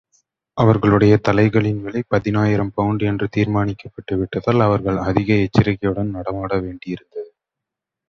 அவர்களுடைய தலைகளின் விலை பதினாயிரம் பவுண்டு என்று தீர்மானிக்கப்பட்டு விட்டதால், அவர்கள் அதிக எச்சரிகையுடன் நடமாட வேண்டியிருந்தது.